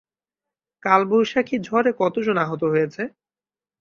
কালবৈশাখী ঝড়ে কতজন আহত হয়েছে?